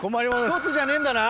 １つじゃねえんだな？